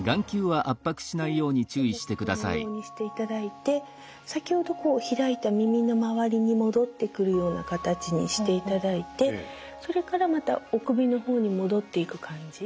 ここもこのようにしていただいて先ほど開いた耳の周りに戻ってくるような形にしていただいてそれからまたお首の方に戻っていく感じ